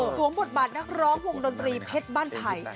บทบาทนักร้องวงดนตรีเพชรบ้านไผ่